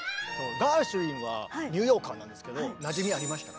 ガーシュウィンはニューヨーカーなんですけどなじみありましたか？